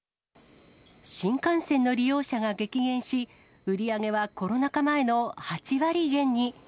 新幹線の利用者が激減し、売り上げはコロナ禍前の８割減に。